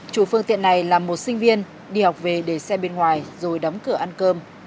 chủ phương tiện này là một sinh viên đi học về để xe bên ngoài rồi đóng cửa ăn cơm